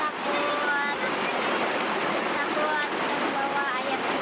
takut terbawa air